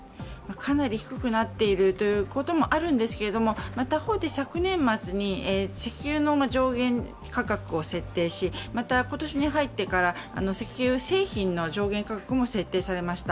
かなり低くなっているということもあるんですけど、また他方で昨年末に石油の上限価格を設定しまた、今年に入ってから石油製品の上限も設定されました。